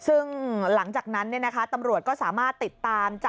ซึ่งหลังจากนั้นตำรวจก็สามารถติดตามจับ